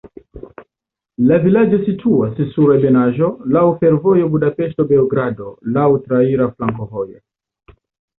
La vilaĝo situas sur ebenaĵo, laŭ fervojo Budapeŝto-Beogrado, laŭ traira flankovojo.